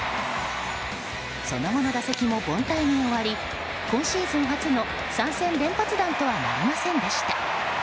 その後の打席も凡退に終わり今シーズン初の３戦連発弾とはなりませんでした。